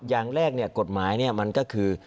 อย่างแรกกฎหมายมันก็คือ